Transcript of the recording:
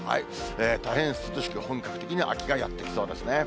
大変涼しく本格的な秋がやって来そうですね。